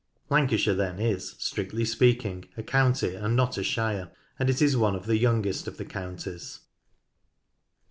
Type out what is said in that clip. Lancashire then is, strictly speaking, a county and not a shire, and it is one of the youngest of the counties.